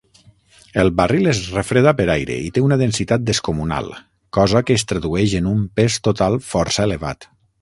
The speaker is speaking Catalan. El barril es refreda per aire i té una densitat descomunal, cosa que es tradueix en un pes total força elevat.